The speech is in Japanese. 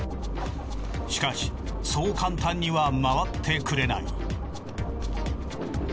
しかしそう簡単には回ってくれない。